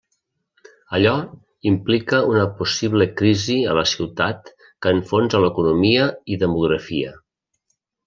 Allò implica una possible crisi a la ciutat que enfonsa l'economia i demografia.